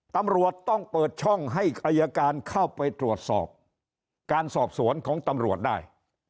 ตำรวจต้องเปิดช่องให้อายการเข้าไปตรวจสอบการสอบสวนของตำรวจได้